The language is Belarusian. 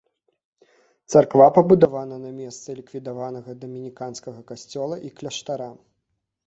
Царква пабудавана на месцы ліквідаванага дамініканскага касцёла і кляштара.